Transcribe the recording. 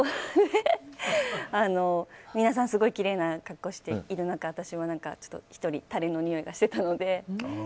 皆さん、すごいきれいな格好している中私は１人タレのにおいがしていたので。